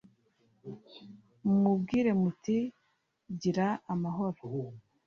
mumubwire muti gira amahoro